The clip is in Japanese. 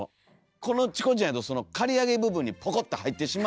このチコちゃんやとその刈り上げ部分にポコッと入ってしまう。